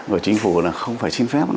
của chính phủ là không phải xin phép